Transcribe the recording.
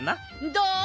どう？